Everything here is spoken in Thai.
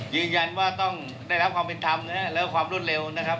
ยืนยันว่าต้องได้รับความเป็นธรรมนะฮะแล้วความรวดเร็วนะครับ